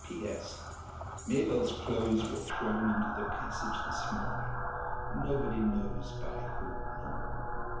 P.S. Mabell's clothes were thrown into the passage this morning: nobody knows by whom.